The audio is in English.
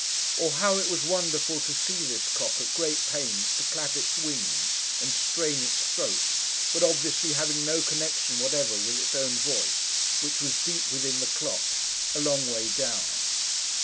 Or how it was wonderful to see this cock at great pains to clap its wings, and strain its throat; but obviously having no connection whatever with its own voice; which was deep within the clock, a long way down.